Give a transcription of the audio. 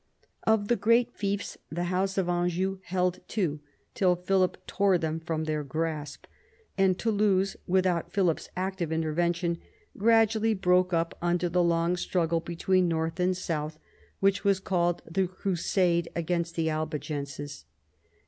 Of the other great fiefs the house of Anjou held two, till Philip tore them from their grasp, and Toulouse, without Philip's active intervention, gradually broke up under the long struggle between North and South which was called the crusade against the Albigenses.